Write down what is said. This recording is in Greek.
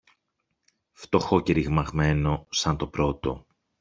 φτωχό και ρημαγμένο σαν το πρώτο.